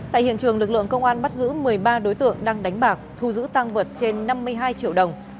tại hiện trường lực lượng công an bắt giữ một mươi ba đối tượng đang đánh bạc thu giữ tăng vật trên năm mươi hai triệu đồng